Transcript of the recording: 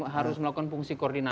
harus melakukan fungsi koordinasi